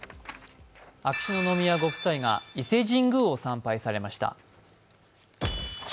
秋篠宮ご夫妻が伊勢神宮を参拝されました。